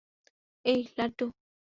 এই, লাড্ডু!